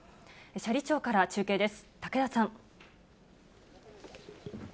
斜里町から中継です、武田さん。